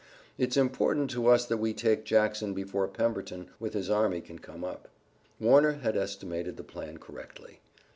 It's important to us that we take Jackson before Pemberton with his army can come up." Warner had estimated the plan correctly.